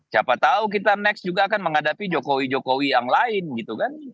siapa tahu kita next juga akan menghadapi jokowi jokowi yang lain gitu kan